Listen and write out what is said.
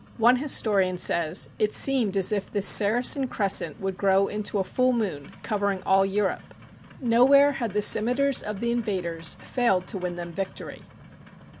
One historian says, " It seemed as if this Saracen crescent would grow into a full moon, covering all Europe." Nowhere had the cimeters of the invaders failed to win them vic tory.